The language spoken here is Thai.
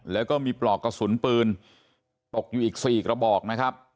แล้วก็มีปลอกกระสุนปืนตกอยู่อีก๔กระบอกนะครับ